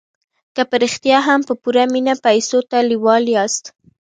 که په رښتیا هم په پوره مينه پيسو ته لېوال ياست.